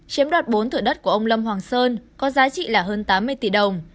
chiếm đoạt bốn thửa đất của ông lâm hoàng sơn có giá trị là hơn tám mươi tỷ đồng